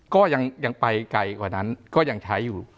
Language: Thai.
ก็ยังไปไกลกว่านั้นก็ยังใช้อยู่